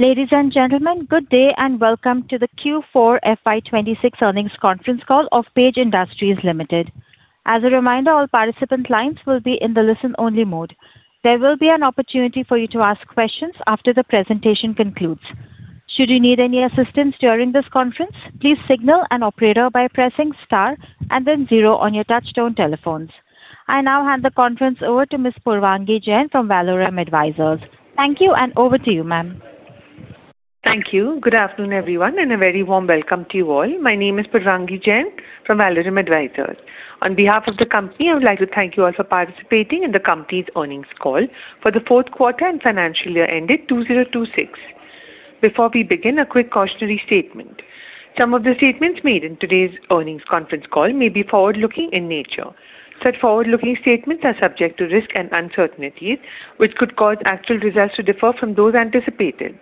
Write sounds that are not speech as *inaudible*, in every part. Ladies and gentlemen, good day and welcome to the Q4 FY 2026 earnings conference call of Page Industries Limited. As a reminder, all participant lines will be in the listen only mode. There will be an opportunity for you to ask questions after the presentation concludes. Should you need any assistance during this conference, please signal an operator by pressing star and then zero on your touchtone telephones. I now hand the conference over to Ms. Purvangi Jain from Valorem Advisors. Thank you, and over to you, ma'am. Thank you. Good afternoon, everyone, and a very warm welcome to you all. My name is Purvangi Jain from Valorem Advisors. On behalf of the company, I would like to thank you all for participating in the company's earnings call for the fourth quarter and financial year ended 2026. Before we begin, a quick cautionary statement. Some of the statements made in today's earnings conference call may be forward-looking in nature. Such forward-looking statements are subject to risks and uncertainties, which could cause actual results to differ from those anticipated.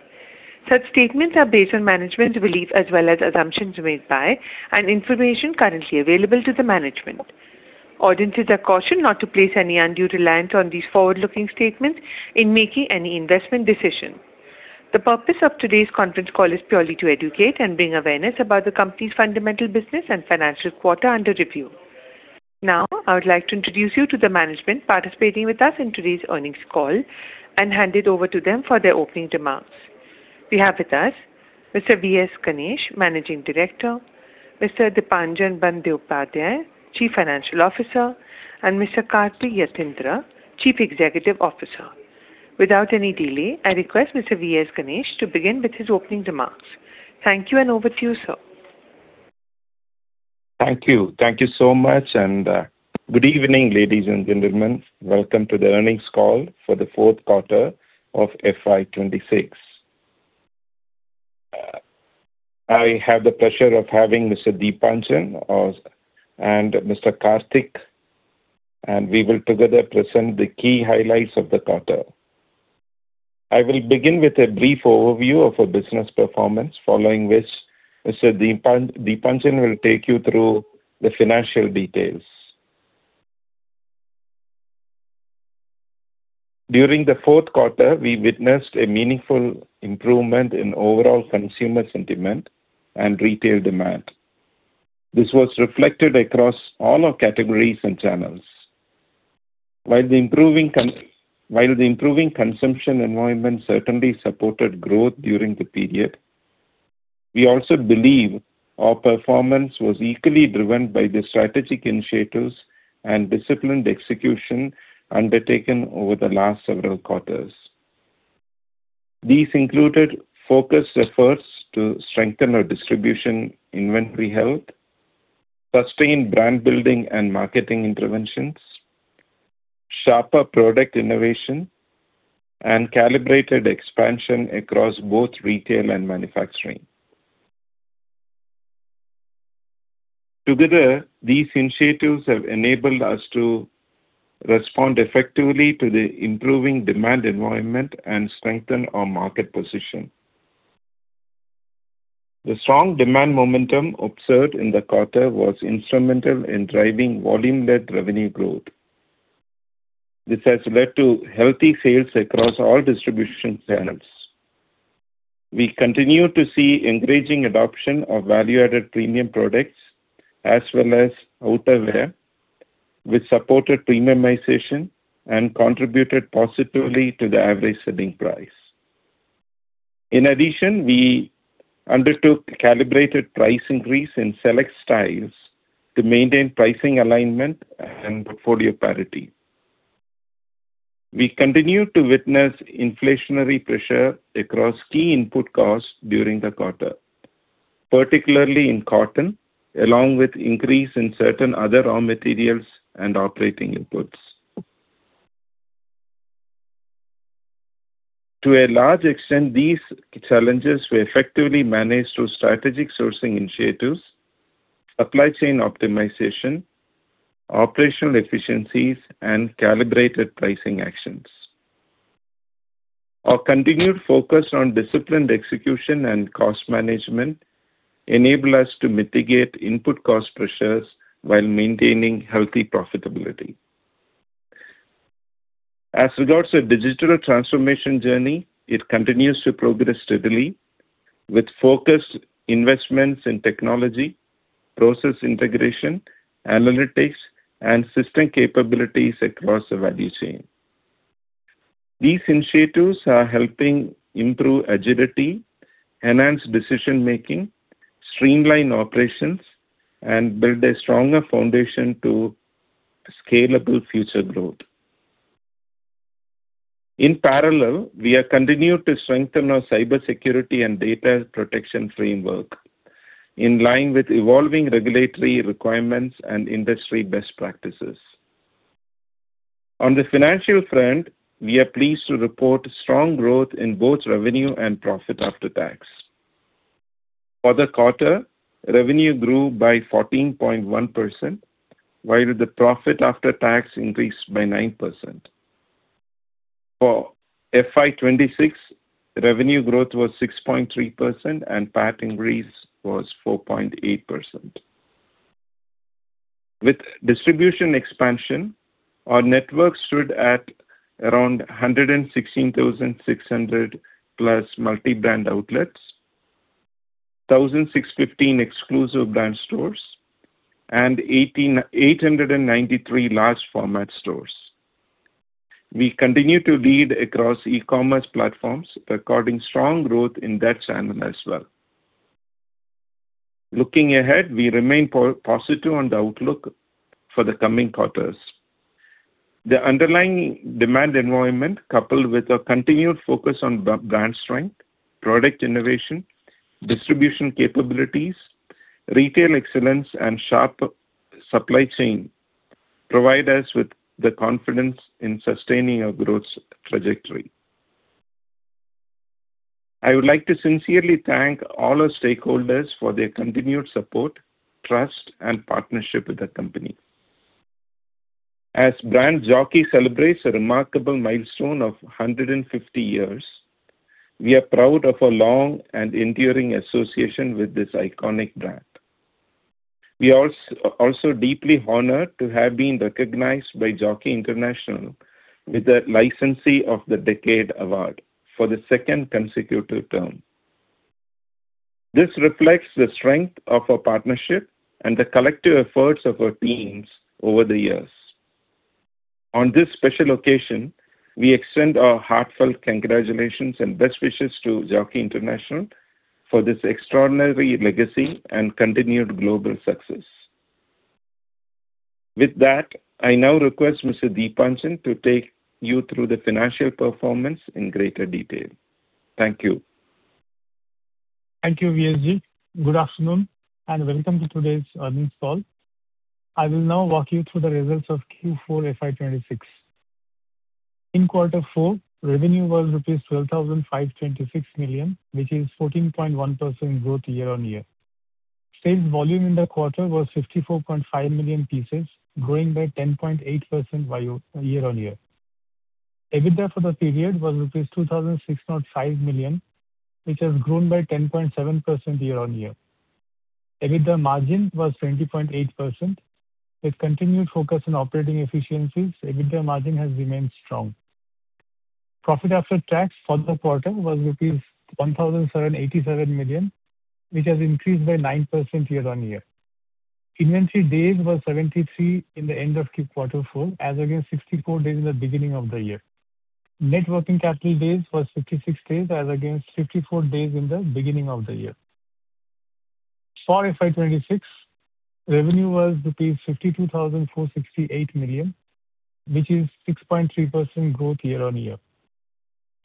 Such statements are based on management's beliefs as well as assumptions made by, and information currently available to the management. Audiences are cautioned not to place any undue reliance on these forward-looking statements in making any investment decision. The purpose of today's conference call is purely to educate and bring awareness about the company's fundamental business and financial quarter under review. I would like to introduce you to the management participating with us in today's earnings call and hand it over to them for their opening remarks. We have with us Mr. V.S. Ganesh, Managing Director, Mr. Deepanjan Bandyopadhyay, Chief Financial Officer, and Mr. Karthik Yathindra, Chief Executive Officer. Without any delay, I request Mr. V.S. Ganesh to begin with his opening remarks. Thank you, and over to you, Sir. Thank you. Thank you so much, and good evening, ladies and gentlemen. Welcome to the earnings call for the fourth quarter of FY 2026. I have the pleasure of having Mr. Deepanjan and Mr. Karthik, and we will together present the key highlights of the quarter. I will begin with a brief overview of our business performance, following which Mr. Deepanjan will take you through the financial details. During the fourth quarter, we witnessed a meaningful improvement in overall consumer sentiment and retail demand. This was reflected across all our categories and channels. While the improving consumption environment certainly supported growth during the period, we also believe our performance was equally driven by the strategic initiatives and disciplined execution undertaken over the last several quarters. These included focused efforts to strengthen our distribution inventory health, sustained brand building and marketing interventions, sharper product innovation, and calibrated expansion across both retail and manufacturing. Together, these initiatives have enabled us to respond effectively to the improving demand environment and strengthen our market position. The strong demand momentum observed in the quarter was instrumental in driving volume-led revenue growth. This has led to healthy sales across all distribution channels. We continue to see encouraging adoption of value-added premium products as well as outerwear which supported premiumization and contributed positively to the average selling price. In addition, we undertook calibrated price increase in select styles to maintain pricing alignment and portfolio parity. We continued to witness inflationary pressure across key input costs during the quarter, particularly in cotton, along with increase in certain other raw materials and operating inputs. To a large extent, these challenges were effectively managed through strategic sourcing initiatives, supply chain optimization, operational efficiencies, and calibrated pricing actions. Our continued focus on disciplined execution and cost management enable us to mitigate input cost pressures while maintaining healthy profitability. As regards our digital transformation journey, it continues to progress steadily with focused investments in technology, process integration, analytics, and system capabilities across the value chain. These initiatives are helping improve agility, enhance decision-making, streamline operations, and build a stronger foundation to scalable future growth. In parallel, we have continued to strengthen our cybersecurity and data protection framework in line with evolving regulatory requirements and industry best practices. On the financial front, we are pleased to report strong growth in both revenue and profit after tax. For the quarter, revenue grew by 14.1%, while the profit after tax increased by 9%. For FY 2026, revenue growth was 6.3%, and PAT increase was 4.8%. With distribution expansion, our network stood at around 116,600+ multi-brand outlets, 1,615 exclusive brand stores, and 893 large format stores. We continue to lead across e-commerce platforms, recording strong growth in that channel as well. Looking ahead, we remain positive on the outlook for the coming quarters. The underlying demand environment, coupled with a continued focus on brand strength, product innovation, distribution capabilities, retail excellence, and sharp supply chain, provide us with the confidence in sustaining our growth trajectory. I would like to sincerely thank all our stakeholders for their continued support, trust, and partnership with the company. As brand Jockey celebrates a remarkable milestone of 150 years. We are proud of a long and enduring association with this iconic brand. We are also deeply honored to have been recognized by Jockey International with the International Licensee of the Decade award for the second consecutive term. This reflects the strength of our partnership and the collective efforts of our teams over the years. On this special occasion, we extend our heartfelt congratulations and best wishes to Jockey International for this extraordinary legacy and continued global success. With that, I now request Mr. Deepanjan to take you through the financial performance in greater detail. Thank you. Thank you, V.S.G. Good afternoon, welcome to today's earnings call. I will now walk you through the results of Q4 FY 2026. In quarter four, revenue was rupees 12,526 million, which is 14.1% growth year-over-year. Sales volume in the quarter was 54.5 million pieces, growing by 10.8% year-over-year. EBITDA for the period was rupees 2,605 million, which has grown by 10.7% year-over-year. EBITDA margin was 20.8%. With continued focus on operating efficiencies, EBITDA margin has remained strong. Profit after tax for the quarter was rupees 1,787 million, which has increased by 9% year-over-year. Inventory days was 73 in the end of quarter four, as against 64 days in the beginning of the year. Net working capital days was 56 days as against 54 days in the beginning of the year. For FY 2026, revenue was 52,468 million, which is 6.3% growth year-on-year.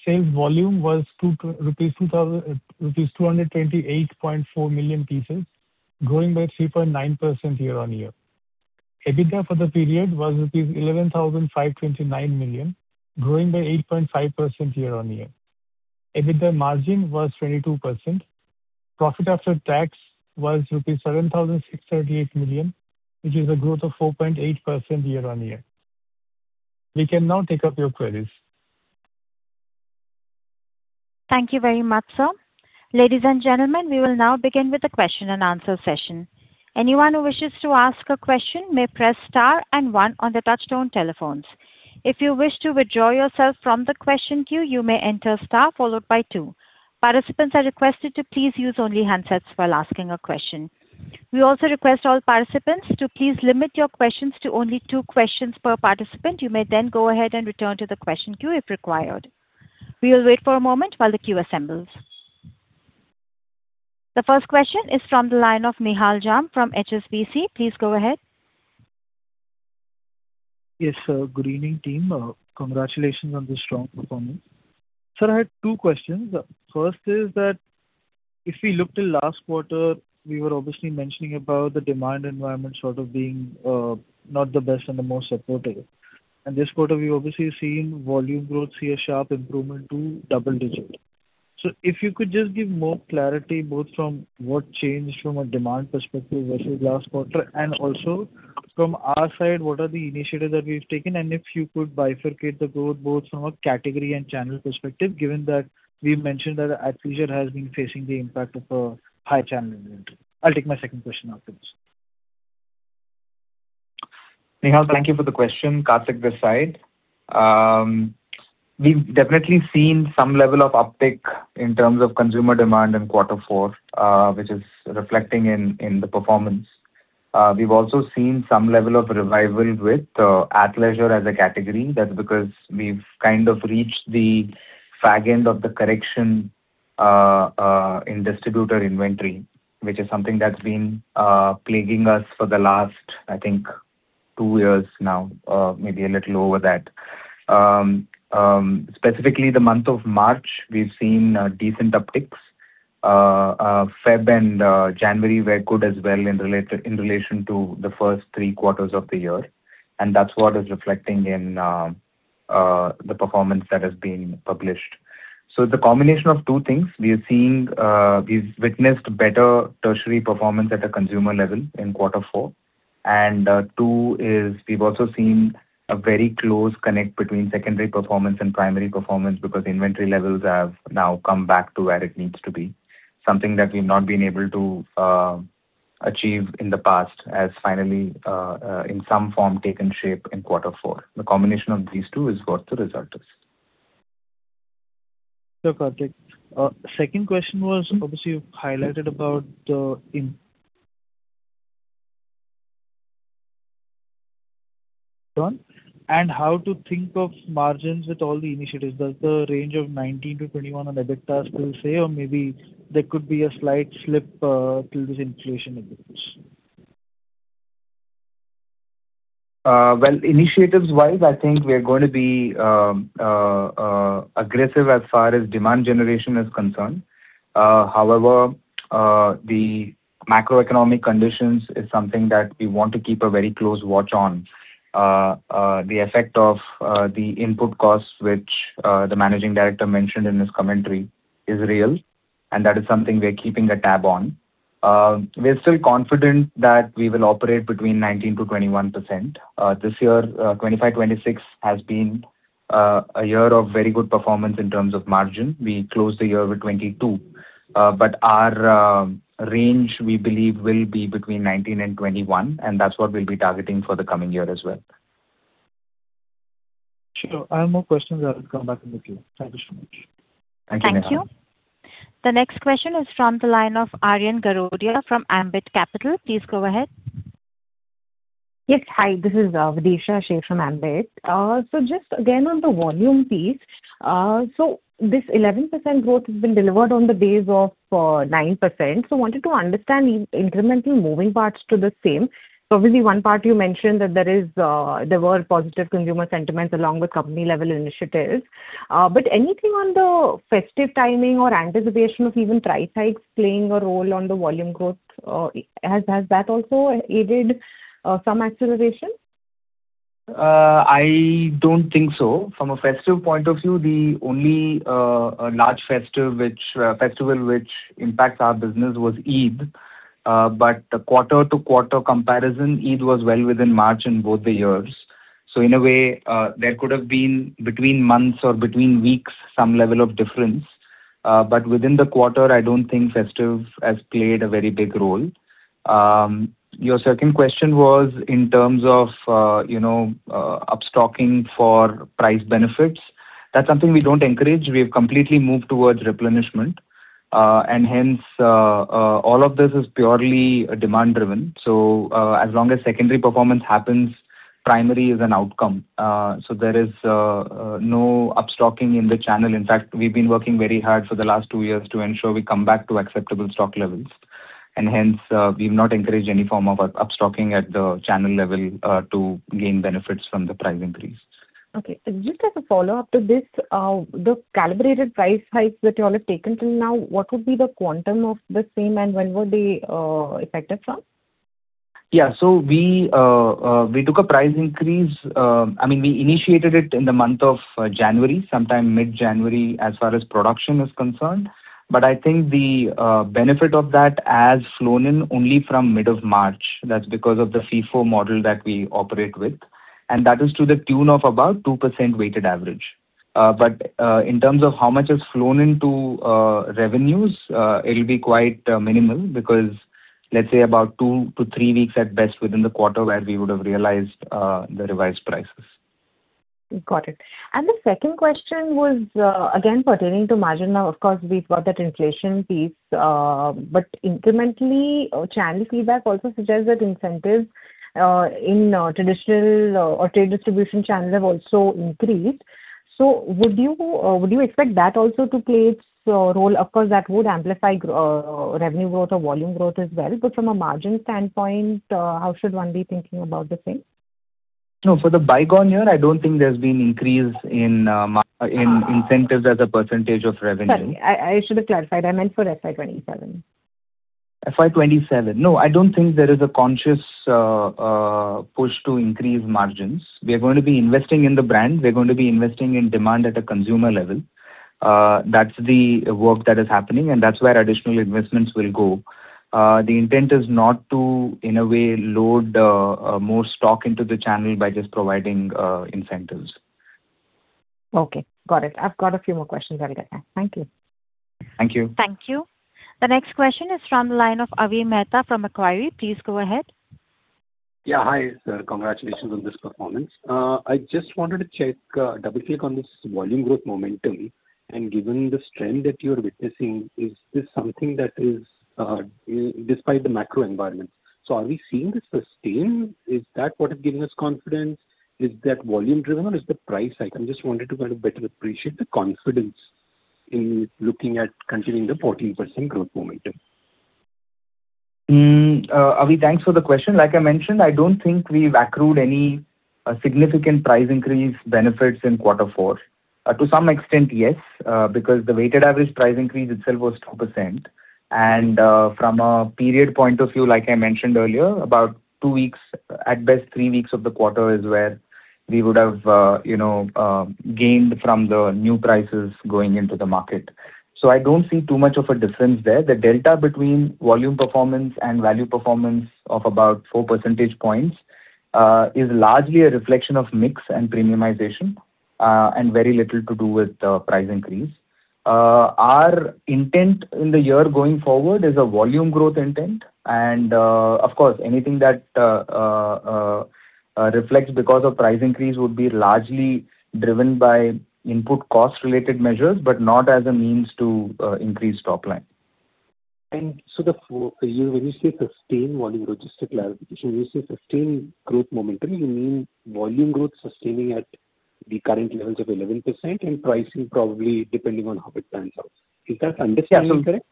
Sales volume was 228.4 million pieces, growing by 3.9% year-on-year. EBITDA for the period was INR 11,529 million, growing by 8.5% year-on-year. EBITDA margin was 22%. Profit after tax was rupees 7,638 million, which is a growth of 4.8% year-on-year. We can now take up your queries. Thank you very much, Sir. Ladies and gentlemen, we will now begin with the question and answer session. Anyone who wishes to ask a question may press star and one on their touchtone telephones. If you wish to withdraw yourself from the question queue, you may enter star followed by two. Participants are requested to please use only handsets while asking a question. We also request all participants to please limit your questions to only two questions per participant. You may then go ahead and return to the question queue if required. We will wait for a moment while the queue assembles. The first question is from the line of Nihal Jham from HSBC. Please go ahead. Yes, good evening, team. Congratulations on the strong performance. Sir, I had two questions. First is if we look till last quarter, we were obviously mentioning about the demand environment sort of being not the best and the most supportive. This quarter, we're obviously seeing volume growth see a sharp improvement to double-digit. If you could just give more clarity, both from what changed from a demand perspective versus last quarter, and also from our side, what are the initiatives that we've taken? and if you could bifurcate the growth both from a category and channel perspective, given that we mentioned that athleisure has been facing the impact of a high channel inventory? I'll take my second question afterwards. Nihal, thank you for the question. Karthik this side. We've definitely seen some level of uptick in terms of consumer demand in quarter four, which is reflecting in the performance. We've also seen some level of revival with athleisure as a category. That's because we've kind of reached the far end of the correction in distributor inventory, which is something that's been plaguing us for the last, I think, two years now, maybe a little over that. Specifically the month of March, we've seen decent upticks. February and January were good as well in relation to the first three quarters of the year, and that's what is reflecting in the performance that has been published. It's a combination of two things. We've witnessed better tertiary performance at the consumer level in quarter four, and is we've also seen a very close connect between secondary performance and primary performance because inventory levels have now come back to where it needs to be. Something that we've not been able to achieve in the past has finally, in some form, taken shape in quarter four. The combination of these two is what the result is. Sure, Karthik. Second question was, obviously, you've highlighted about the inflation, and how to think of margins with all the initiatives? Does the range of 19%-21% on EBITDA still stay, or maybe there could be a slight slip to this inflation? Well, initiatives-wise, I think we are going to be aggressive as far as demand generation is concerned. The macroeconomic conditions is something that we want to keep a very close watch on. The effect of the input costs, which the Managing Director mentioned in his commentary, is real, and that is something we are keeping a tab on. We are still confident that we will operate between 19%-21%. This year, 2025/2026, has been a year of very good performance in terms of margin. We closed the year with 22%, our range, we believe, will be between 19% and 21%, and that's what we'll be targeting for the coming year as well. Sure. I have more questions. I will come back in the queue. Thank you so much. Thank you, Nihal. Thank you. The next question is from the line of Aryan Garodia from Ambit Capital. Please go ahead. Yes, hi. This is Videesha Sheth from Ambit. Just again on the volume piece. This 11% growth has been delivered on the base of 9%. Wanted to understand incremental moving parts to the same. Obviously, one part you mentioned that there were positive consumer sentiments along with company-level initiatives. Anything on the festive timing or anticipation of even price hikes playing a role on the volume growth? Has that also aided some acceleration? I don't think so. From a festive point of view, the only large festival which impacts our business was Eid. The quarter-to-quarter comparison, Eid was well within March in both the years. In a way, there could have been between months or between weeks some level of difference. Within the quarter, I don't think festive has played a very big role. Your second question was in terms of upstocking for price benefits. That's something we don't encourage. We have completely moved towards replenishment. Hence, all of this is purely demand driven. As long as secondary performance happens, primary is an outcome. There is no upstocking in the channel. In fact, we've been working very hard for the last two years to ensure we come back to acceptable stock levels. Hence, we've not encouraged any form of upstocking at the channel level to gain benefits from the price increase. Okay. Just as a follow-up to this, the calibrated price hikes that you all have taken till now, what would be the quantum of the same and when were they effective from? Yeah. We took a price increase. We initiated it in the month of January, sometime mid-January, as far as production is concerned. I think the benefit of that has flown in only from mid of March. That's because of the FIFO model that we operate with, and that is to the tune of about 2% weighted average. In terms of how much has flown into revenues, it'll be quite minimal because, let's say about two to three weeks at best within the quarter where we would have realized the revised prices. Got it. The second question was, again, pertaining to margin. Of course, we've got that inflation piece. Incrementally, channel feedback also suggests that incentives in traditional or trade distribution channels have also increased. Would you expect that also to play its role? Of course, that would amplify revenue growth or volume growth as well. From a margin standpoint, how should one be thinking about the same? For the bygone year, I don't think there's been increase in incentives as a percentage of revenue. Sorry, I should have clarified. I meant for FY 2027. FY 2027. No, I don't think there is a conscious push to increase margins. We are going to be investing in the brand. We're going to be investing in demand at a consumer level. That's the work that is happening, and that's where additional investments will go. The intent is not to, in a way, load more stock into the channel by just providing incentives. Okay, got it. I've got a few more questions. I'll get back. Thank you. Thank you. Thank you. The next question is from the line of Avi Mehta from Macquarie. Please go ahead. Yeah, hi. Congratulations on this performance. I just wanted to double-click on this volume growth momentum. Given this trend that you're witnessing, is this something that is despite the macro environment? Are we seeing this sustain? Is that what is giving us confidence? Is that volume driven or is the price hike? I just wanted to kind of better appreciate the confidence in looking at continuing the 14% growth momentum. Avi, thanks for the question. Like I mentioned, I don't think we've accrued any significant price increase benefits in quarter four. To some extent, yes, because the weighted average price increase itself was 2%. From a period point of view, like I mentioned earlier, about two weeks, at best three weeks of the quarter is where we would have gained from the new prices going into the market. I don't see too much of a difference there. The delta between volume performance and value performance of about 4 percentage points is largely a reflection of mix and premiumization, and very little to do with price increase. Our intent in the year going forward is a volume growth intent. Of course, anything that reflects because of price increase would be largely driven by input cost related measures, but not as a means to increase top line. When you say sustain volume, just a clarification, when you say sustain growth momentarily, you mean volume growth sustaining at the current levels of 11% and pricing probably depending on how it pans out. Is that understanding correct?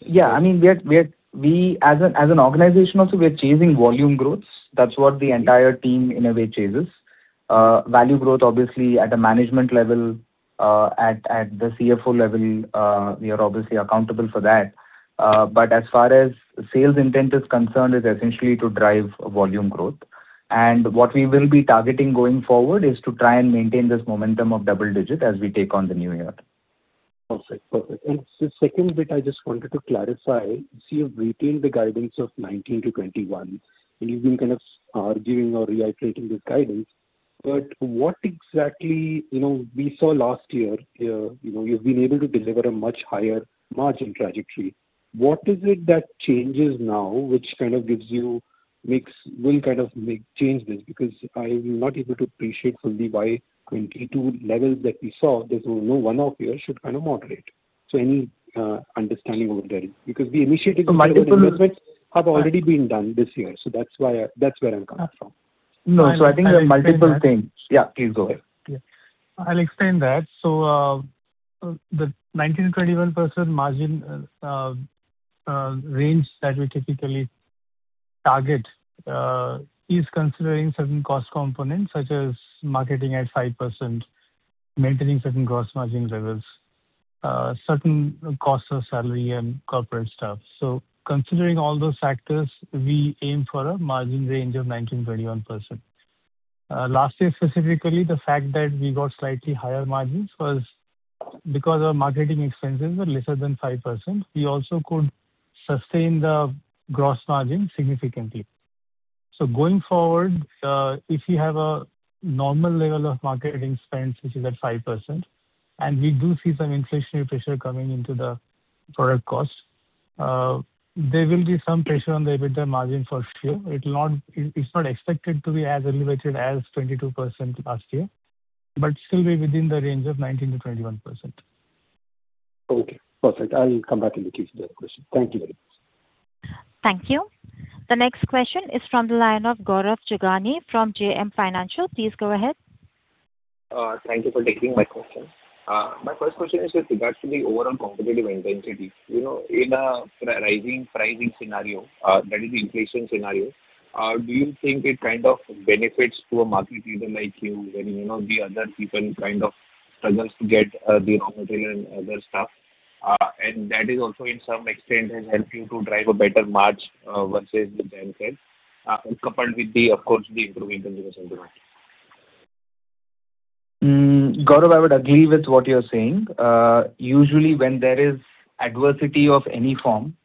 Yeah. As an organization also, we are chasing volume growth. That's what the entire team in a way chases. Value growth, obviously, at a management level, at the CFO level, we are obviously accountable for that. As far as sales intent is concerned, it's essentially to drive volume growth. What we will be targeting going forward is to try and maintain this momentum of double digit as we take on the new year. Perfect. The second bit I just wanted to clarify, you see you've retained the guidance of 19%-21%, and you've been kind of arguing or reiterating this guidance. We saw last year you've been able to deliver a much higher margin trajectory. What is it that changes now, which will change this? Because I'm not able to appreciate fully why 22% levels that we saw. There's no one-off year should kind of moderate. Any understanding over there? Because the initiatives. So multiple- Have already been done this year. That's where I'm coming from. No. I think there are multiple things. Yeah, please go ahead. I'll explain that. The 19%-21% margin range that we typically target is considering certain cost components such as marketing at 5%, maintaining certain gross margin levels, certain costs of salary and corporate staff. Considering all those factors, we aim for a margin range of 19%-21%. Last year, specifically, the fact that we got slightly higher margins was because our marketing expenses were lesser than 5%. We also could sustain the gross margin significantly. Going forward, if we have a normal level of marketing spend, which is at 5%, and we do see some inflationary pressure coming into the product cost, there will be some pressure on the EBITDA margin for sure. It's not expected to be as elevated as 22% last year, but still be within the range of 19%-21%. Okay, perfect. I'll come back in the queue for that question. Thank you very much. Thank you. The next question is from the line of Gaurav Jogani from JM Financial. Please go ahead. Thank you for taking my question. My first question is with regards to the overall competitive intensity. In a rising pricing scenario, that is inflation scenario, do you think it kind of benefits to a market leader like you when the other people kind of struggle to get the raw material and other stuff? That is also in some extent is helping to drive a better margin versus the past year, and coupled with, of course, the improving consumer sentiment. Gaurav, I would agree with what you're saying. Usually when there is adversity of any form,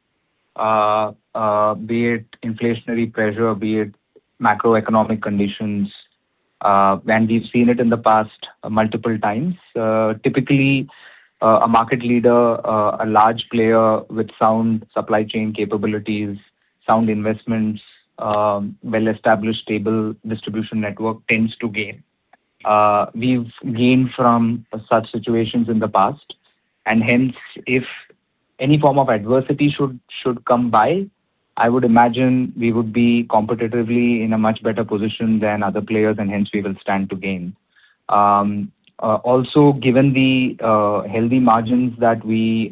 be it inflationary pressure, be it macroeconomic conditions, we've seen it in the past multiple times. Typically, a market leader, a large player with sound supply chain capabilities, sound investments, well-established stable distribution network tends to gain. We've gained from such situations in the past, and hence, if any form of adversity should come by. I would imagine we would be competitively in a much better position than other players, and hence we will stand to gain. Also, given the healthy margins that we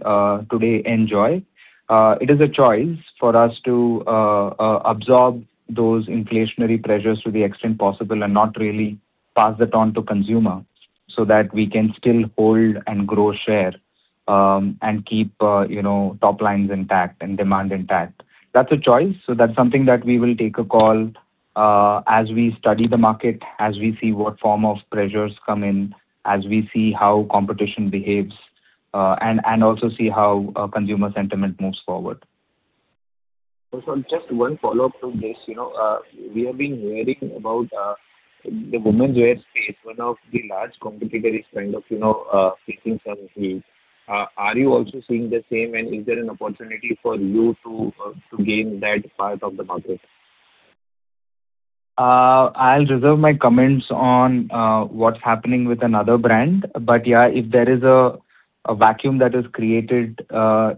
today enjoy, it is a choice for us to absorb those inflationary pressures to the extent possible and not really pass that on to consumer, so that we can still hold and grow share, and keep top lines intact and demand intact. That's a choice. That's something that we will take a call as we study the market, as we see what form of pressures come in, as we see how competition behaves, and also see how consumer sentiment moves forward. Also, just one follow-up to this. We have been hearing about the women's wear space. One of the large competitors kind of facing some heat. Are you also seeing the same and is there an opportunity for you to gain that part of the market? I'll reserve my comments on what's happening with another brand. Yeah, if there is a vacuum that is created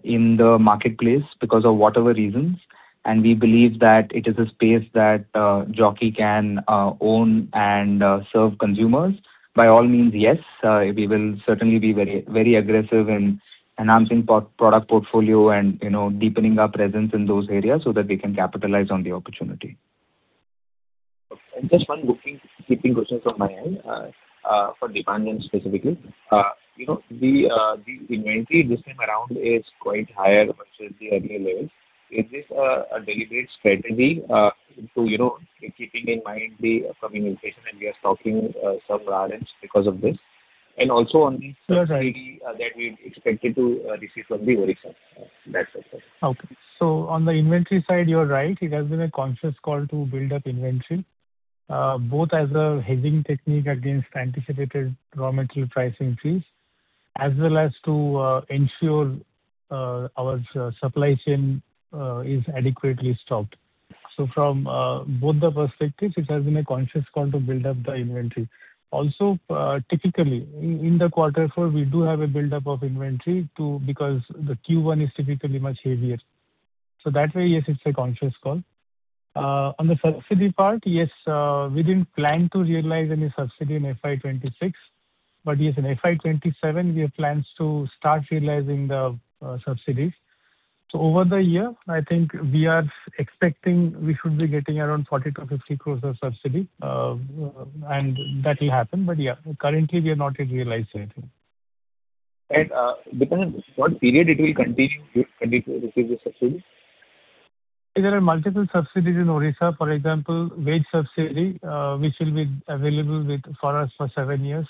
in the marketplace because of whatever reasons, and we believe that it is a space that Jockey can own and serve consumers, by all means, yes, we will certainly be very aggressive in enhancing product portfolio and deepening our presence in those areas so that we can capitalize on the opportunity. Just one bookkeeping question from my end, for demand gen specifically. The inventory this time around is quite higher versus the earlier levels. Is this a deliberate strategy, keeping in mind the coming inflation and we are stocking some garments because of this? Also on the subsidy that we expected to receive from the Odisha. That's it, Sir. Okay. On the inventory side, you're right, it has been a conscious call to build up inventory, both as a hedging technique against anticipated raw material price increase, as well as to ensure our supply chain is adequately stocked. From both the perspectives, it has been a conscious call to build up the inventory. Also, typically, in the quarter four, we do have a buildup of inventory because the Q1 is typically much heavier. That way, yes, it's a conscious call. On the subsidy part, yes, we didn't plan to realize any subsidy in FY 2026, but yes, in FY 2027, we have plans to start realizing the subsidies. Over the year, I think we are expecting we should be getting around 40 crores-50 crores of subsidy, and that will happen. Yeah, currently we have not yet realized anything. Within what period it will continue to receive the subsidy? There are multiple subsidies in Odisha, for example, wage subsidy, which will be available for us for seven years.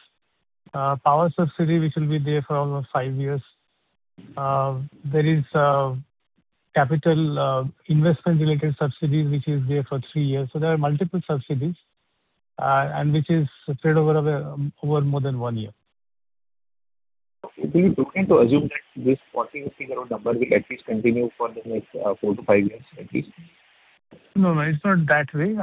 Power subsidy, which will be there for almost five years. There is capital investment related subsidy, which is there for three years. There are multiple subsidies, and which is spread over more than one year. It'll be okay to assume that this 40 crores-50 crores number will at least continue for the next four to five years, at least? No, it's not that way.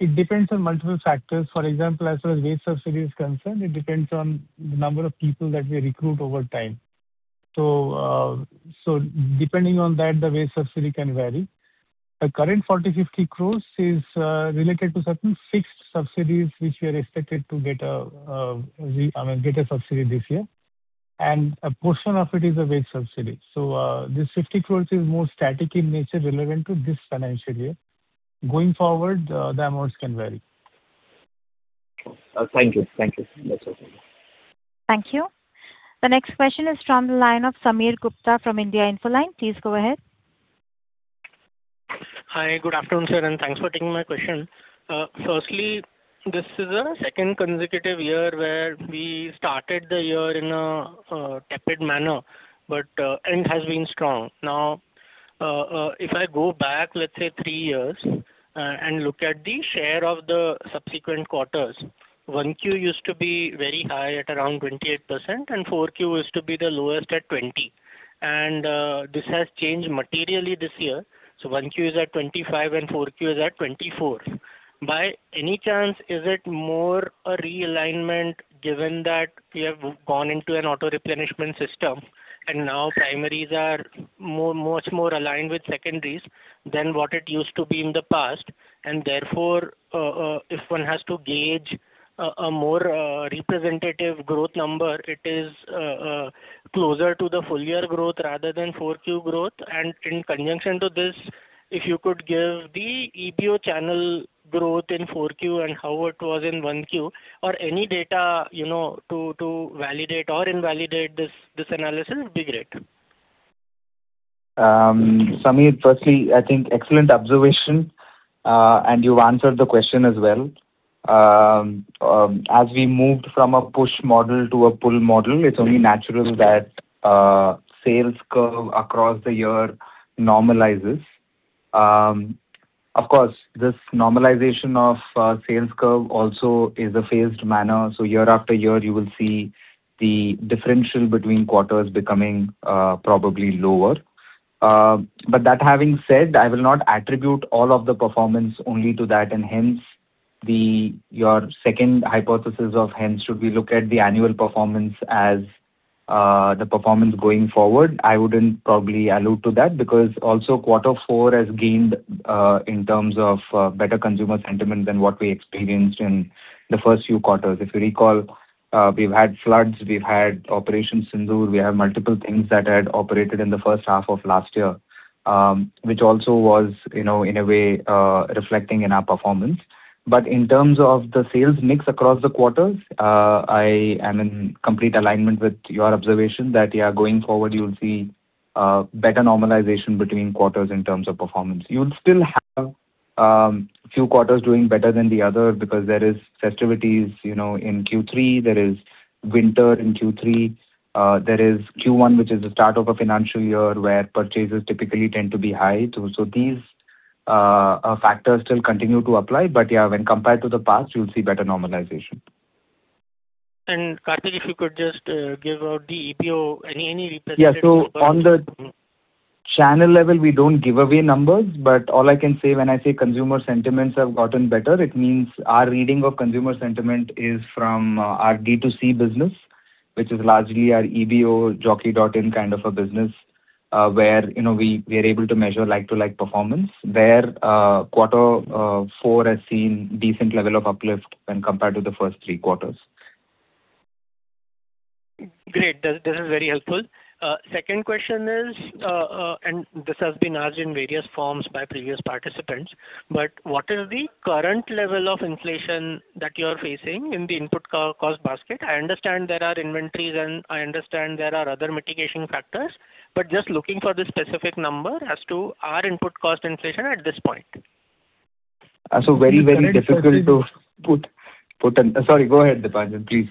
It depends on multiple factors. For example, as far as wage subsidy is concerned, it depends on the number of people that we recruit over time. Depending on that, the wage subsidy can vary. The current 40 crores, 50 crores is related to certain fixed subsidies which we are expected to get a subsidy this year, and a portion of it is a wage subsidy. This 50 crores is more static in nature relevant to this financial year. Going forward, the amounts can vary. Thank you. That's okay. Thank you. The next question is from the line of Sameer Gupta from India Infoline. Please go ahead. Hi, good afternoon, sir, and thanks for taking my question. Firstly, this is the second consecutive year where we started the year in a tepid manner, end has been strong. Now, if I go back, let's say, three years and look at the share of the subsequent quarters, 1Q used to be very high at around 28%, and 4Q used to be the lowest at 20%. This has changed materially this year. 1Q is at 25% and 4Q is at 24%. By any chance, is it more a realignment given that we have gone into an auto-replenishment system and now primaries are much more aligned with secondaries than what it used to be in the past, therefore, if one has to gauge a more representative growth number, it is closer to the full year growth rather than 4Q growth? In conjunction to this, if you could give the EBO channel growth in 4Q and how it was in 1Q or any data to validate or invalidate this analysis would be great. Sameer, firstly, I think excellent observation, and you've answered the question as well. As we moved from a push model to a pull model, it's only natural that sales curve across the year normalizes. Of course, this normalization of sales curve also is a phased manner, so year-after-year, you will see the differential between quarters becoming probably lower. That having said, I will not attribute all of the performance only to that, and hence your second hypothesis of hence should we look at the annual performance as the performance going forward. I wouldn't probably allude to that because also quarter four has gained, in terms of better consumer sentiment than what we experienced in the first few quarters. If you recall, we've had floods, we've had Operation Sindoor. We have multiple things that had operated in the first half of last year, which also was in a way reflecting in our performance. In terms of the sales mix across the quarters, I am in complete alignment with your observation that, yeah, going forward, you'll see better normalization between quarters in terms of performance. You'll still have a few quarters doing better than the other because there is festivities in Q3, there is winter in Q3, there is Q1, which is the start of a financial year where purchases typically tend to be high too. These factors still continue to apply, but yeah, when compared to the past, you'll see better normalization. Karthik, if you could just give out the EBO? Yeah. On the channel level, we don't give away numbers, but all I can say when I say consumer sentiments have gotten better, it means our reading of consumer sentiment is from our D2C business, which is largely our EBO Jockey.in kind of a business, where we are able to measure like-to-like performance, where quarter four has seen decent level of uplift when compared to the first three quarters. Great. This is very helpful. Second question is, this has been asked in various forms by previous participants, what is the current level of inflation that you're facing in the input cost basket? I understand there are inventories and I understand there are other mitigation factors, just looking for the specific number as to our input cost inflation at this point. *crosstalk* Sorry, go ahead, Deepanjan, please.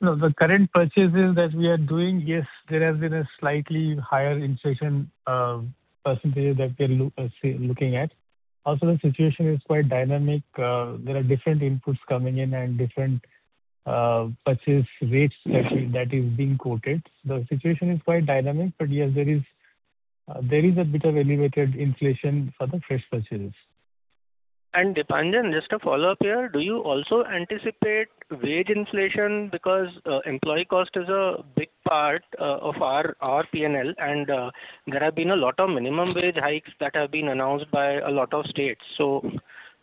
The current purchases that we are doing, yes, there has been a slightly higher inflation percentage that we are looking at. The situation is quite dynamic. There are different inputs coming in and different purchase rates that is being quoted. The situation is quite dynamic. Yes, there is a bit of elevated inflation for the fresh purchases. Deepanjan, just a follow-up here. Do you also anticipate wage inflation because employee cost is a big part of our P&L and there have been a lot of minimum wage hikes that have been announced by a lot of states.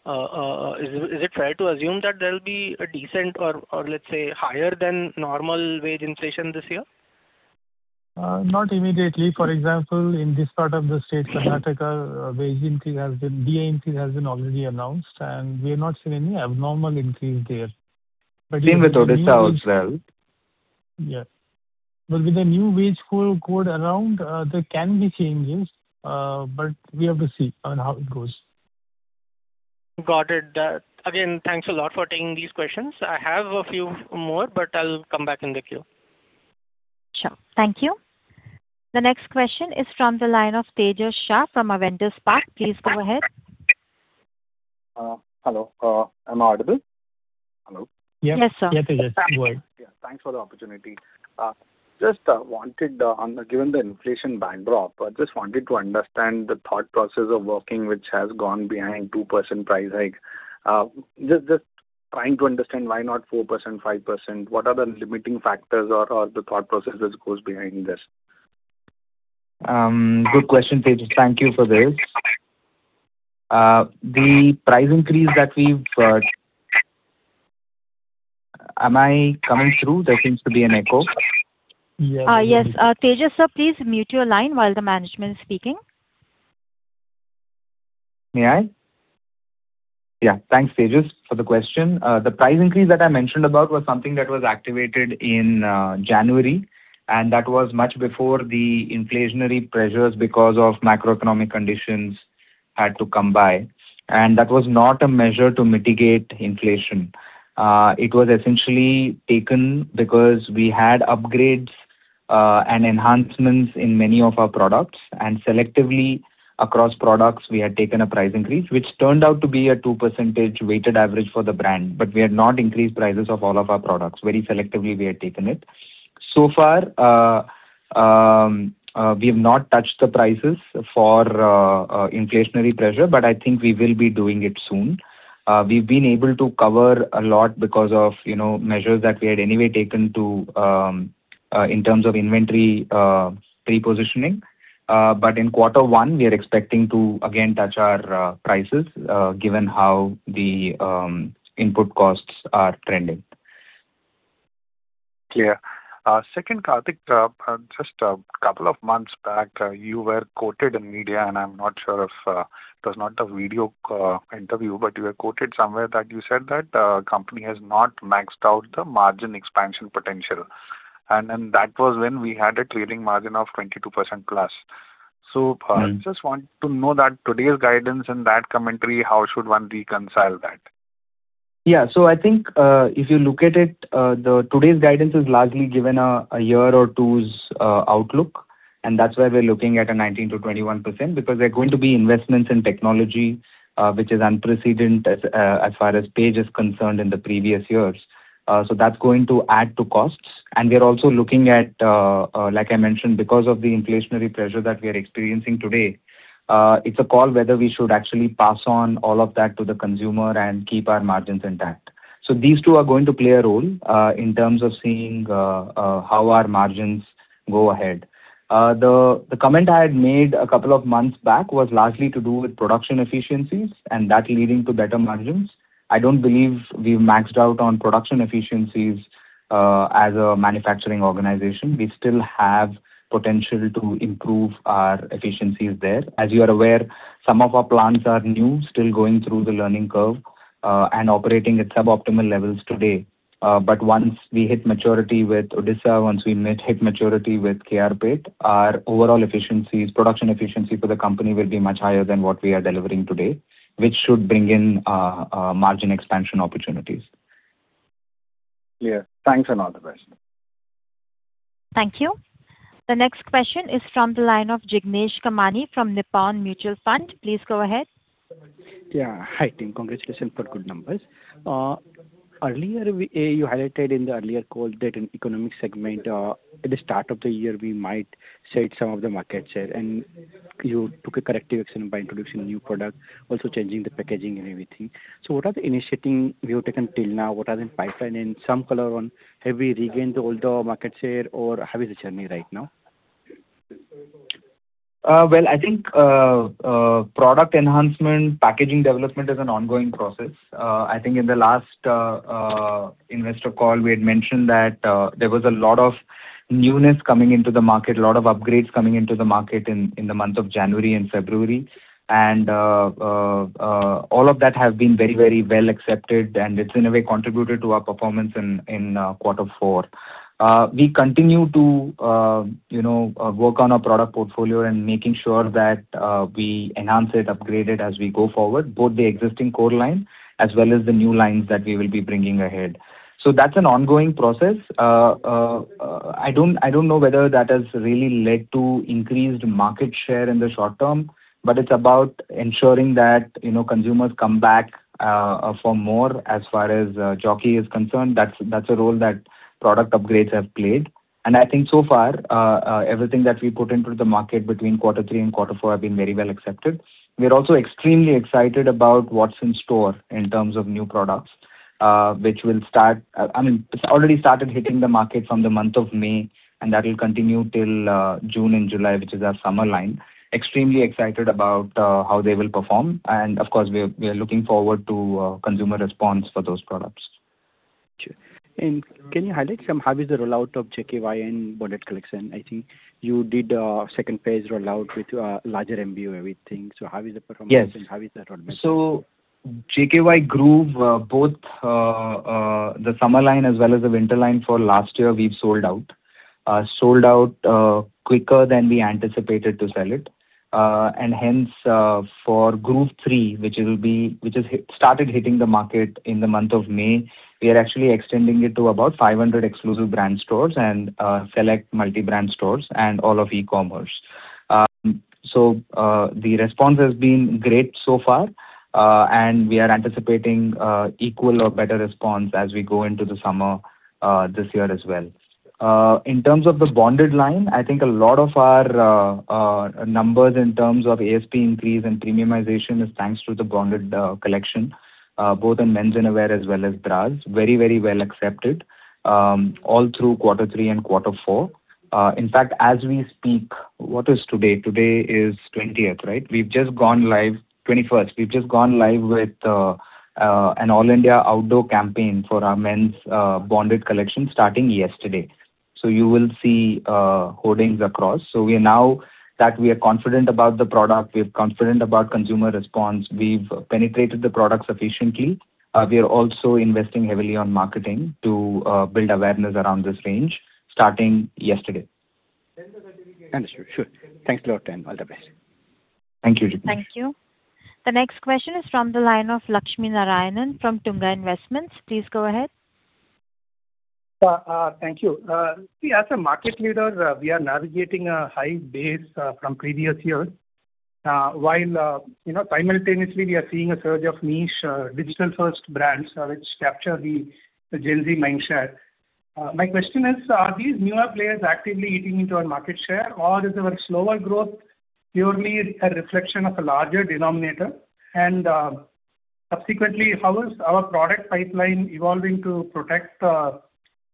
Is it fair to assume that there'll be a decent or, let's say, higher than normal wage inflation this year? Not immediately. For example, in this part of the state, Karnataka, wage increase has been, DA increase has been already announced. We have not seen any abnormal increase there. Same with Odisha as well? Yeah. With the new wage code around, there can be changes, but we have to see on how it goes. Got it. Thanks a lot for taking these questions. I have a few more, but I'll come back in the queue. Sure. Thank you. The next question is from the line of Tejas Shah from Avendus Capital. Please go ahead. Hello. Am I audible? Hello. Yep. Yes, sir. Yes, Tejas. Go ahead. Yeah, thanks for the opportunity. Given the inflation backdrop, just wanted to understand the thought process of working which has gone behind 2% price hike. Just trying to understand why not 4%, 5%? What are the limiting factors or the thought process that goes behind this? Good question, Tejas. Thank you for this. Am I coming through? There seems to be an echo. Yes. Tejas, Sir, please mute your line while the management is speaking. May I? Yeah. Thanks, Tejas, for the question. The price increase that I mentioned about was something that was activated in January, and that was much before the inflationary pressures because of macroeconomic conditions had to come by. That was not a measure to mitigate inflation. It was essentially taken because we had upgrades and enhancements in many of our products, and selectively across products, we had taken a price increase, which turned out to be a 2% weighted average for the brand. We had not increased prices of all of our products. Very selectively we had taken it. Far, we have not touched the prices for inflationary pressure, but I think we will be doing it soon. We've been able to cover a lot because of measures that we had anyway taken in terms of inventory repositioning. In quarter one, we are expecting to again touch our prices, given how the input costs are trending. Clear. Second, Karthik, just a couple of months back, you were quoted in media, and I'm not sure if it was not a video interview, but you were quoted somewhere that you said that company has not maxed out the margin expansion potential. That was when we had a trailing margin of 22%+. I just want to know that today's guidance and that commentary, how should one reconcile that? I think if you look at it, today's guidance is largely given a year or two's outlook, and that's why we're looking at a 19%-21%, because there are going to be investments in technology which is unprecedented as far as Page is concerned in the previous years. That's going to add to costs, and we're also looking at, like I mentioned, because of the inflationary pressure that we are experiencing today, it's a call whether we should actually pass on all of that to the consumer and keep our margins intact. These two are going to play a role in terms of seeing how our margins go ahead. The comment I had made a couple of months back was largely to do with production efficiencies and that leading to better margins. I don't believe we've maxed out on production efficiencies as a manufacturing organization. We still have potential to improve our efficiencies there. As you are aware, some of our plants are new, still going through the learning curve, and operating at suboptimal levels today. Once we hit maturity with Odisha, once we hit maturity with K.R. Pet, our overall production efficiency for the company will be much higher than what we are delivering today, which should bring in margin expansion opportunities. Clear. Thanks a lot for the question. Thank you. The next question is from the line of Jignesh Kamani from Nippon Mutual Fund. Please go ahead. Yeah. Hi, team. Congratulations for good numbers. You highlighted in the earlier call that in economic segment, at the start of the year, we might cede some of the market share, and you took a corrective action by introducing new product, also changing the packaging and everything. What are the initiatives you have taken till now? What are the pipeline and some color on have we regained all the market share or how is the journey right now? Well, I think product enhancement, packaging development is an ongoing process. I think in the last investor call, we had mentioned that there was a lot of newness coming into the market, a lot of upgrades coming into the market in the month of January and February. All of that have been very well accepted, and it's in a way contributed to our performance in quarter four. We continue to work on our product portfolio and making sure that we enhance it, upgrade it as we go forward, both the existing core line as well as the new lines that we will be bringing ahead. That's an ongoing process. I don't know whether that has really led to increased market share in the short term, but it's about ensuring that consumers come back for more, as far as Jockey is concerned. That's a role that product upgrades have played. I think so far, everything that we put into the market between quarter three and quarter four have been very well accepted. We are also extremely excited about what's in store in terms of new products. It's already started hitting the market from the month of May, and that will continue till June and July, which is our summer line. Extremely excited about how they will perform. Of course, we are looking forward to consumer response for those products. Sure. Can you highlight some? How is the rollout of JKY and Bonded Collection? I think you did a second phase rollout with larger MBO, everything. How is the performance? Yes. How is the? JKY Groove, both the summer line as well as the winter line for last year, we've sold out. Sold out quicker than we anticipated to sell it. Hence, for Groove three, which has started hitting the market in the month of May, we are actually extending it to about 500 exclusive brand stores and select multi-brand stores and all of e-commerce. The response has been great so far, and we are anticipating equal or better response as we go into the summer this year as well. In terms of the Bonded line, I think a lot of our numbers in terms of ASP increase and premiumization is thanks to the Bonded Collection, both in menswear as well as bras. Very well accepted, all through quarter three and quarter four. In fact, as we speak, what is today? Today is 20th, right? 21st. We've just gone live with an all-India outdoor campaign for our men's Bonded Collection starting yesterday. You will see hoardings across. Now that we are confident about the product, we're confident about consumer response. We've penetrated the product sufficiently. We are also investing heavily on marketing to build awareness around this range starting yesterday. Understood. Sure. Thanks a lot and all the best. Thank you. Thank you. The next question is from the line of Lakshminarayanan from Tunga Investments. Please go ahead. Thank you. See, as a market leader, we are navigating a high base from previous years, while simultaneously we are seeing a surge of niche digital-first brands which capture the Gen Z mind share. My question is, are these newer players actively eating into our market share, or is our slower growth purely a reflection of a larger denominator? Subsequently, how is our product pipeline evolving to protect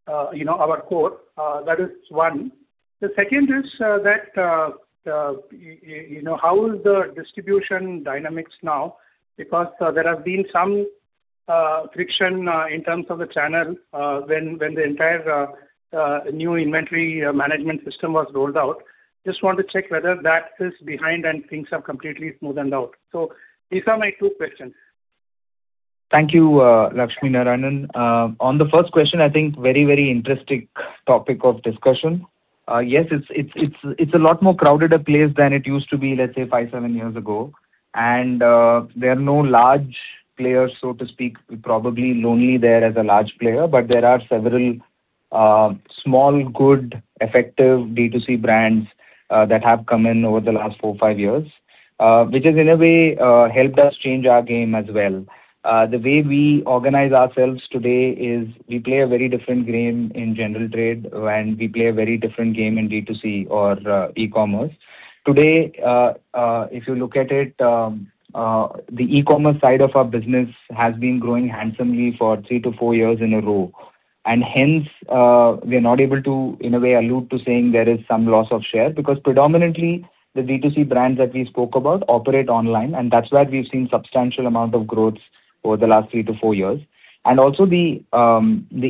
our core? That is one. The second is, how is the distribution dynamics now? There has been some friction in terms of the channel when the entire new inventory management system was rolled out. I just want to check whether that is behind and things have completely smoothened out. These are my two questions. Thank you, Lakshminarayanan. On the first question, I think very interesting topic of discussion. Yes, it's a lot more crowded a place than it used to be, let's say, five, seven years ago. There are no large players, so to speak. We're probably lonely there as a large player. There are several small, good, effective D2C brands that have come in over the last four, five years. Which has in a way helped us change our game as well. The way we organize ourselves today is we play a very different game in general trade, and we play a very different game in D2C or e-commerce. Today, if you look at it, the e-commerce side of our business has been growing handsomely for three to four years in a row. Hence, we are not able to, in a way, allude to saying there is some loss of share because predominantly the D2C brands that we spoke about operate online, and that's where we've seen substantial amount of growth over the last three to four years. Also the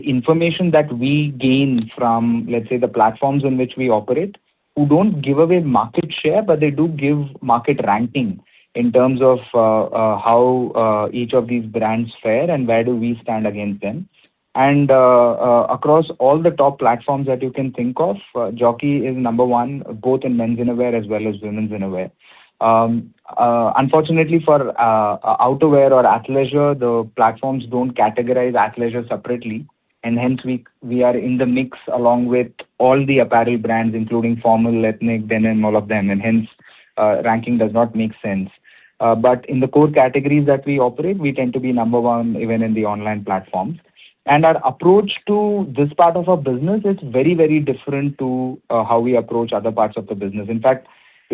information that we gain from, let's say, the platforms in which we operate, who don't give away market share, but they do give market ranking in terms of how each of these brands fare and where do we stand against them. Across all the top platforms that you can think of, Jockey is number one, both in menswear as well as womenswear. Unfortunately for outerwear or athleisure, the platforms don't categorize athleisure separately, and hence we are in the mix along with all the apparel brands, including formal, ethnic, denim, all of them, and hence, ranking does not make sense. In the core categories that we operate, we tend to be number one, even in the online platforms. Our approach to this part of our business is very different to how we approach other parts of the business. In fact,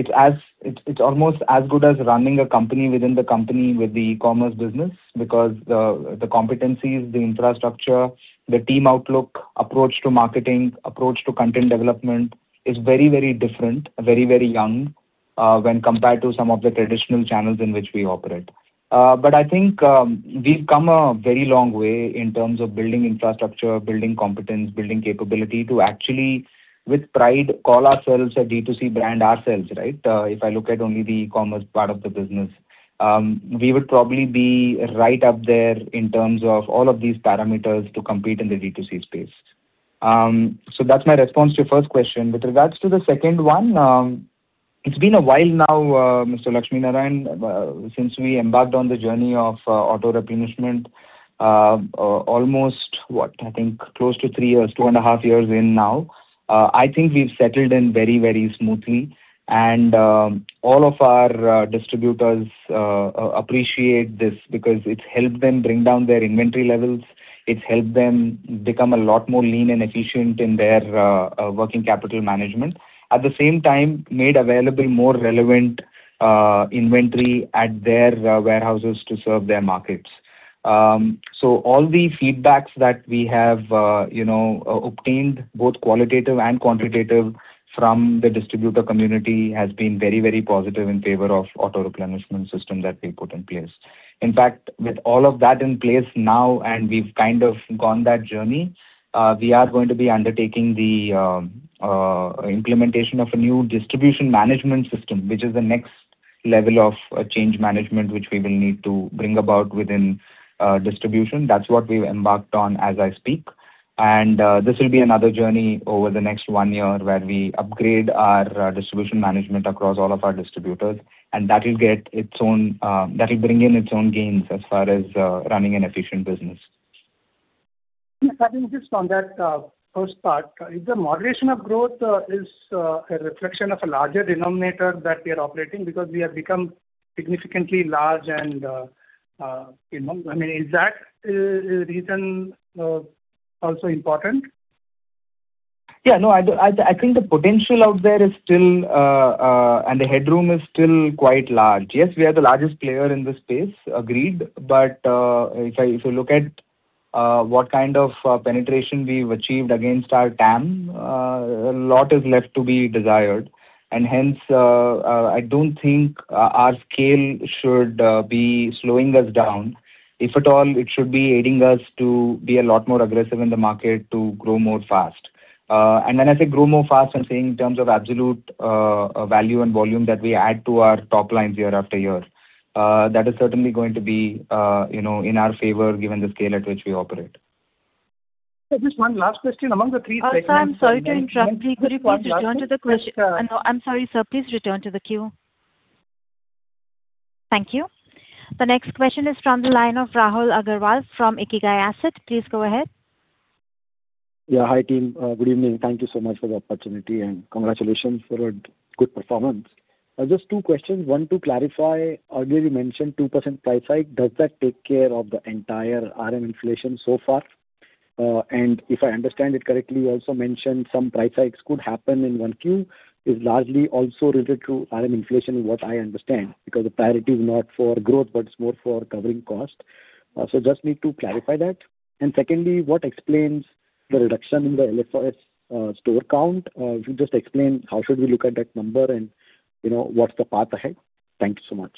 it's almost as good as running a company within the company with the e-commerce business because the competencies, the infrastructure, the team outlook, approach to marketing, approach to content development is very different, very young when compared to some of the traditional channels in which we operate. I think we've come a very long way in terms of building infrastructure, building competence, building capability to actually, with pride, call ourselves a D2C brand ourselves. If I look at only the e-commerce part of the business, we would probably be right up there in terms of all of these parameters to compete in the D2C space. That's my response to your first question. With regards to the second one, it's been a while now, Mr. Lakshminarayanan, since we embarked on the journey of auto replenishment, almost close to three years, 2.5 years in now. I think we've settled in very smoothly. All of our distributors appreciate this because it's helped them bring down their inventory levels, it's helped them become a lot more lean and efficient in their working capital management. At the same time, made available more relevant inventory at their warehouses to serve their markets. All the feedbacks that we have obtained, both qualitative and quantitative from the distributor community, has been very positive in favor of auto replenishment system that we put in place. In fact, with all of that in place now, and we've kind of gone that journey, we are going to be undertaking the implementation of a new distribution management system, which is the next level of change management which we will need to bring about within distribution. That's what we've embarked on as I speak. This will be another journey over the next one year where we upgrade our distribution management across all of our distributors, and that'll bring in its own gains as far as running an efficient business. Can I just on that first part, is the moderation of growth is a reflection of a larger denominator that we are operating because we have become significantly large and is that reason also important? No, I think the potential out there and the headroom is still quite large. Yes, we are the largest player in this space, agreed. If I look at what kind of penetration we've achieved against our TAM, a lot is left to be desired. Hence, I don't think our scale should be slowing us down. If at all, it should be aiding us to be a lot more aggressive in the market to grow more fast. When I say grow more fast, I'm saying in terms of absolute value and volume that we add to our top lines year-after-year. That is certainly going to be in our favor given the scale at which we operate. Just one last question. Among the three segments. Sir, I'm sorry to interrupt. Could you please return to the queue? No, I'm sorry, Sir. Please return to the queue. Thank you. The next question is from the line of Rahul Agarwal from Ikigai Asset. Please go ahead. Yeah. Hi, team. Good evening. Thank you so much for the opportunity, and congratulations for a good performance. Just two questions. One, to clarify, earlier you mentioned 2% price hike. Does that take care of the entire RM inflation so far? If I understand it correctly, you also mentioned some price hikes could happen in 1Q. It's largely also related to RM inflation, is what I understand, because the priority is not for growth, but it's more for covering cost. Just need to clarify that. Secondly, what explains the reduction in the LFS store count? If you just explain how should we look at that number, and what's the path ahead? Thank you so much.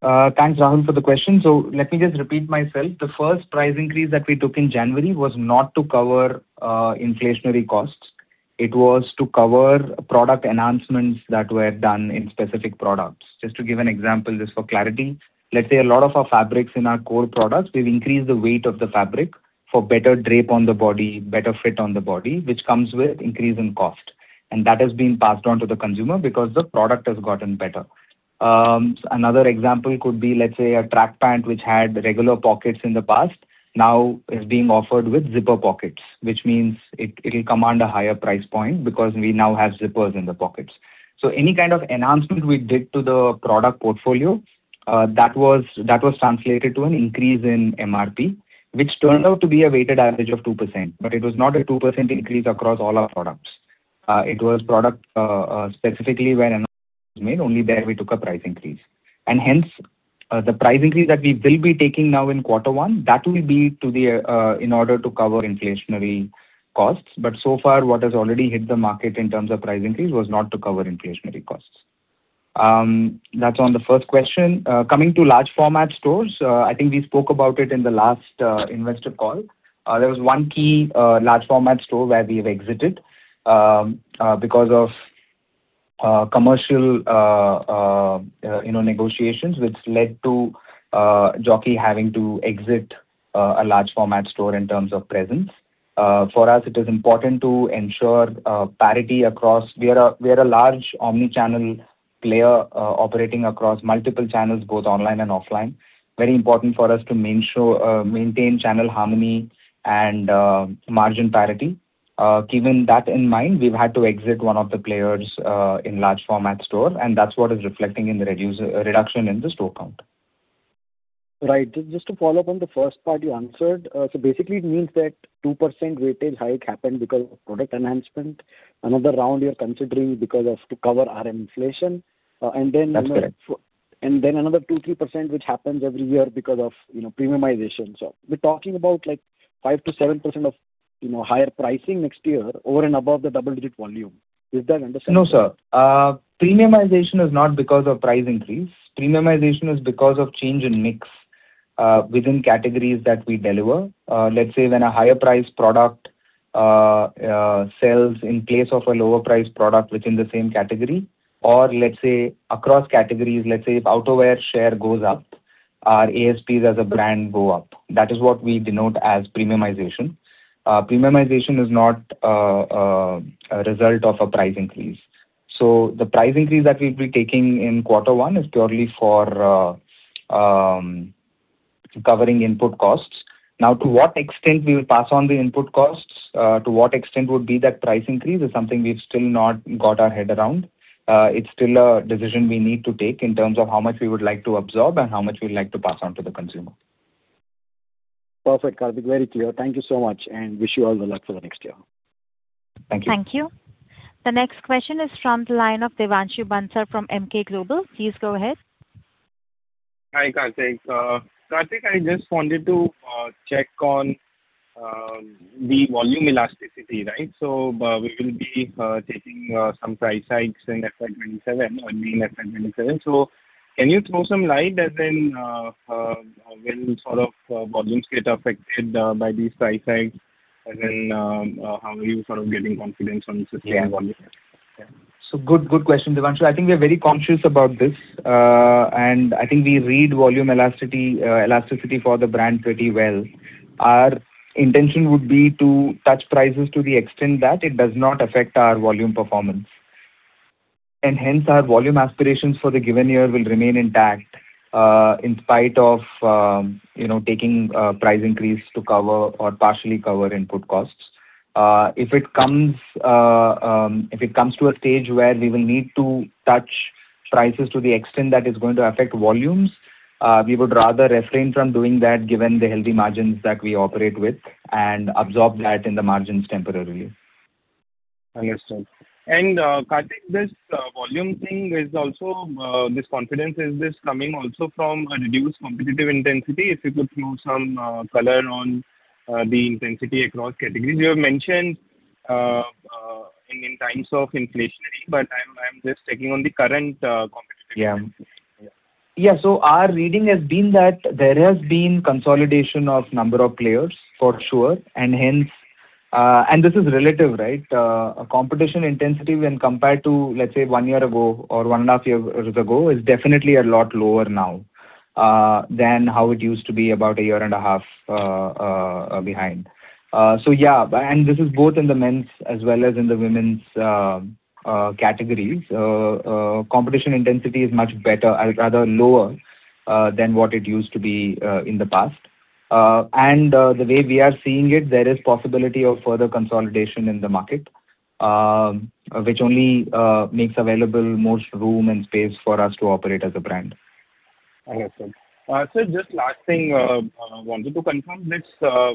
Thanks, Rahul, for the question. Let me just repeat myself. The first price increase that we took in January was not to cover inflationary costs. It was to cover product enhancements that were done in specific products. Just to give an example, just for clarity, let's say a lot of our fabrics in our core products, we've increased the weight of the fabric for better drape on the body, better fit on the body, which comes with increase in cost. That has been passed on to the consumer because the product has gotten better. Another example could be, let's say, a track pant which had regular pockets in the past now is being offered with zipper pockets. Which means it'll command a higher price point because we now have zippers in the pockets. Any kind of enhancement we did to the product portfolio, that was translated to an increase in MRP, which turned out to be a weighted average of 2%. It was not a 2% increase across all our products. It was product specifically were made, only there we took a price increase. Hence, the price increase that we will be taking now in quarter one, that will be in order to cover inflationary costs. So far what has already hit the market in terms of price increase was not to cover inflationary costs. That's on the first question. Coming to large format stores, I think we spoke about it in the last investor call. There was one key large format store where we've exited because of commercial negotiations which led to Jockey having to exit a large format store in terms of presence. For us, it is important to ensure parity across. We are a large omni-channel player operating across multiple channels, both online and offline. Very important for us to maintain channel harmony and margin parity. Keeping that in mind, we've had to exit one of the players in large format store, and that's what is reflecting in the reduction in the store count. Right. Just to follow up on the first part you answered. Basically it means that 2% weighted hike happened because of product enhancement. Another round you're considering to cover RM inflation. That's correct. Another 2%-3% which happens every year because of premiumization. We're talking about 5%-7% of higher pricing next year over and above the double digit volume. Is that understandable? No, sir. Premiumization is not because of price increase. Premiumization is because of change in mix within categories that we deliver. Let's say when a higher priced product sells in place of a lower priced product within the same category, or let's say across categories, let's say if outerwear share goes up, our ASPs as a brand go up. That is what we denote as premiumization. Premiumization is not a result of a price increase. The price increase that we'll be taking in quarter one is purely for covering input costs. Now, to what extent we will pass on the input costs, to what extent would be that price increase is something we've still not got our head around. It's still a decision we need to take in terms of how much we would like to absorb and how much we would like to pass on to the consumer. Perfect, Karthik. Very clear. Thank you so much, and wish you all good luck for the next year. Thank you. Thank you. The next question is from the line of Devanshu Bansal from Emkay Global. Please go ahead. Hi, Karthik, I just wanted to check on the volume elasticity. We will be taking some price hikes in [FY 2027 or main FY 2027]. Can you throw some light as in when sort of volumes get affected by these price hikes? How are you sort of getting confidence on sustainable volume? Yeah. Good question, Devanshu. I think we are very conscious about this. I think we read volume elasticity for the brand pretty well. Our intention would be to touch prices to the extent that it does not affect our volume performance. Hence our volume aspirations for the given year will remain intact in spite of taking a price increase to cover or partially cover input costs. If it comes to a stage where we will need to touch prices to the extent that it's going to affect volumes we would rather refrain from doing that given the healthy margins that we operate with and absorb that in the margins temporarily. Understood. Karthik, this volume thing is also this confidence, is this coming also from a reduced competitive intensity? If you could throw some color on the intensity across categories. You have mentioned in times of inflationary, but I'm just checking on the current competition. Yeah. Our reading has been that there has been consolidation of number of players for sure. This is relative, right? Competition intensity when compared to, let's say, one year ago or 1.5 years ago is definitely a lot lower now than how it used to be about a 1.5 year Behind. Yeah, this is both in the men's as well as in the women's categories. Competition intensity is much better, or rather lower than what it used to be in the past. The way we are seeing it, there is possibility of further consolidation in the market, which only makes available more room and space for us to operate as a brand. Understood. Sir, just last thing. Wanted to confirm this.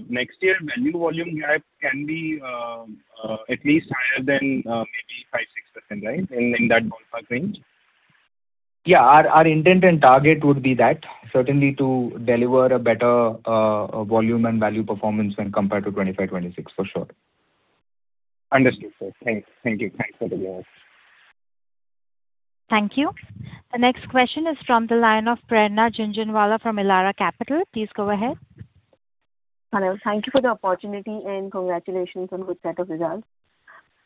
Next year value volume gap can be at least higher than maybe 5%-6%, right? In that ballpark range. Yeah. Our intent and target would be that, certainly to deliver a better volume and value performance when compared to 2025/2026, for sure. Understood, Sir. Thanks. Thank you. Thank you. The next question is from the line of Prerna Jhunjhunwala from Elara Capital. Please go ahead. Hello. Thank you for the opportunity and congratulations on good set of results.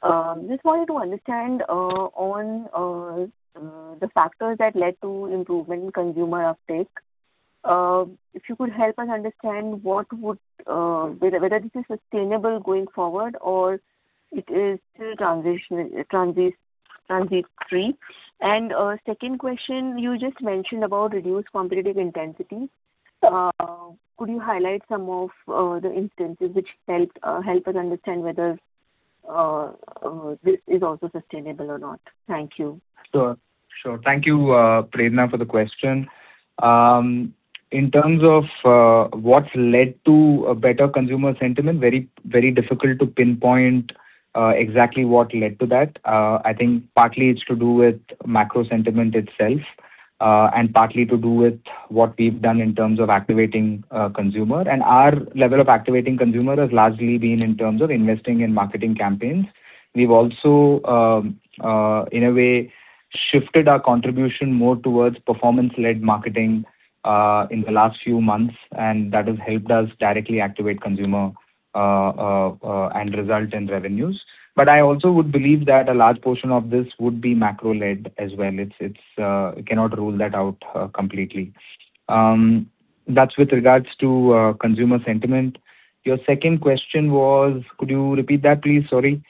Just wanted to understand on the factors that led to improvement in consumer uptake. If you could help us understand whether this is sustainable going forward or it is still transitory. Second question, you just mentioned about reduced competitive intensity. Could you highlight some of the instances which help us understand whether this is also sustainable or not? Thank you. Sure. Thank you, Prerna, for the question. In terms of what's led to a better consumer sentiment, very difficult to pinpoint exactly what led to that. I think partly it's to do with macro sentiment itself, and partly to do with what we've done in terms of activating consumer. Our level of activating consumer has largely been in terms of investing in marketing campaigns. We've also, in a way, shifted our contribution more towards performance-led marketing in the last few months, and that has helped us directly activate consumer and result in revenues. I also would believe that a large portion of this would be macro-led as well. We cannot rule that out completely. That's with regards to consumer sentiment. Your second question was, could you repeat that, please? Sorry.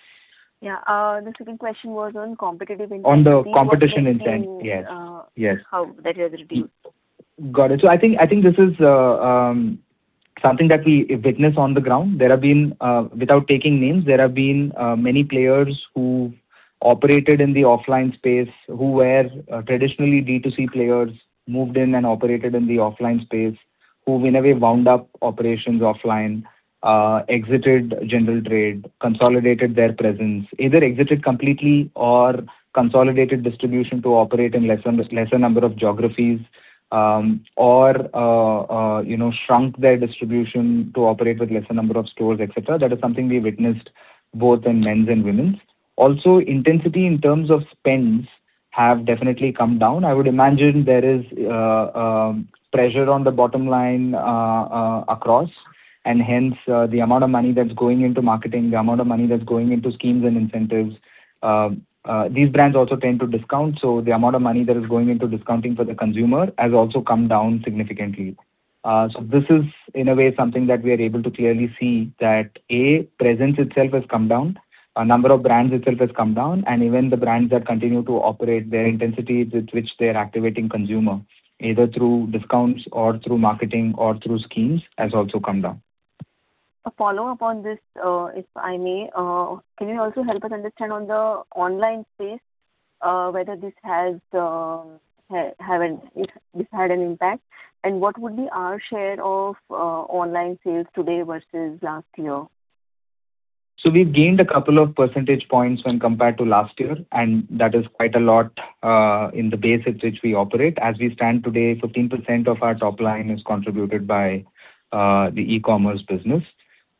Yeah. The second question was on competitive intensity. On the competition intent. Yes. How that has reduced? Got it. I think this is something that we witness on the ground. Without taking names, there have been many players who operated in the offline space, who were traditionally D2C players, moved in and operated in the offline space, who in a way wound up operations offline, exited general trade, consolidated their presence, either exited completely or consolidated distribution to operate in lesser number of geographies, or shrunk their distribution to operate with lesser number of stores, et cetera. That is something we witnessed both in men's and women's. Intensity in terms of spends have definitely come down. I would imagine there is pressure on the bottom line across, and hence, the amount of money that's going into marketing, the amount of money that's going into schemes and incentives. These brands also tend to discount, the amount of money that is going into discounting for the consumer has also come down significantly. This is in a way, something that we are able to clearly see that A, presence itself has come down, number of brands itself has come down, and even the brands that continue to operate their intensities with which they are activating consumer, either through discounts or through marketing or through schemes, has also come down. A follow-up on this, if I may. Can you also help us understand on the online space whether this had an impact, and what would be our share of online sales today versus last year? We've gained a couple of percentage points when compared to last year, and that is quite a lot in the base at which we operate. As we stand today, 15% of our top line is contributed by the e-commerce business.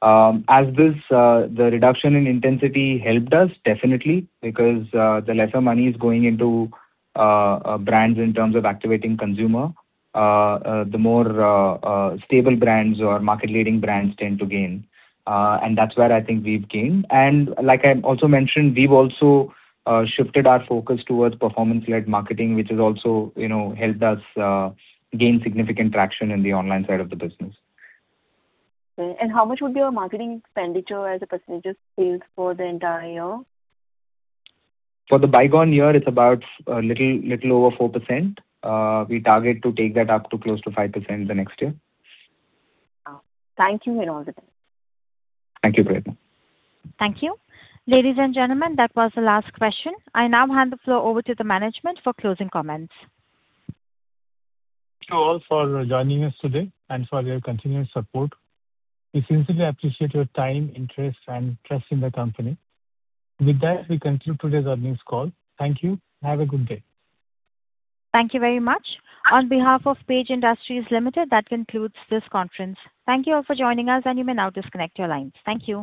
Has the reduction in intensity helped us? Definitely, because the lesser money is going into brands in terms of activating consumer, the more stable brands or market leading brands tend to gain. That's where I think we've gained. Like I also mentioned, we've also shifted our focus towards performance-led marketing, which has also helped us gain significant traction in the online side of the business. Okay. How much would be your marketing expenditure as a percentage of sales for the entire year? For the bygone year, it's about little over 4%. We target to take that up to close to 5% the next year. Wow. Thank you, and all the best. Thank you, Prerna. Thank you. Ladies and gentlemen, that was the last question. I now hand the floor over to the management for closing comments. Thank you all for joining us today and for your continuous support. We sincerely appreciate your time, interest, and trust in the company. With that, we conclude today's earnings call. Thank you. Have a good day. Thank you very much. On behalf of Page Industries Limited, that concludes this conference. Thank you all for joining us, and you may now disconnect your lines. Thank you.